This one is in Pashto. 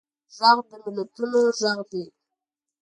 غږ د ملتونو غږ دی